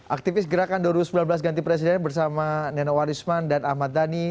aktivis gerakan dua ribu sembilan belas ganti presiden bersama nenowarisman dan ahmad dhani